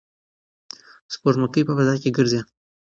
سپوږمکۍ په فضا کې ګرځي.